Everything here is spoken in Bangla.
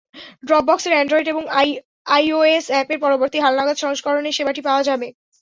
ড্রপবক্সের অ্যান্ড্রয়েড এবং আইওএস অ্যাপের পরবর্তী হালনাগাদ সংস্করণেও সেবাটি পাওয়া যাবে।